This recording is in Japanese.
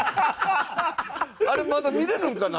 あれまだ見れるんかな？